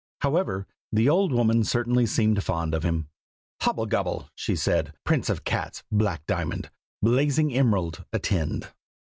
However, the old woman certainly seemed fond of him. "Hobble gobble!" she said, "prince of cats, black diamond, blazing emerald, attend!